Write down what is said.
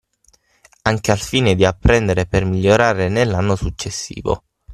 Anche al fine di apprendere per migliorare nell'anno successivo.